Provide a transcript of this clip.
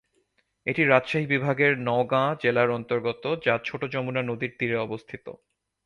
এটি রাজশাহী বিভাগের নওগাঁ জেলার অন্তর্গত, যা ছোট যমুনা নদীর তীরে অবস্থিত।